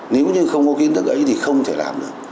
nếu như không có kiến thức được ấy thì không thể làm được